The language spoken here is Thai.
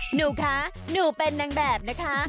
หนูคะหนูเป็นนางแบบนะคะ